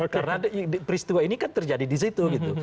karena peristiwa ini kan terjadi di situ gitu